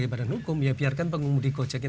bagi badan hukum ya biarkan pengumudi gojek ini